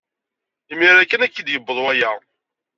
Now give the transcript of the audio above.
Imir-a kan ay k-id-yuweḍ waya.